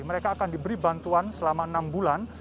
mereka akan diberi bantuan selama enam bulan